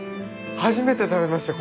初めて食べました